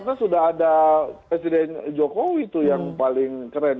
karena sudah ada presiden jokowi tuh yang paling keren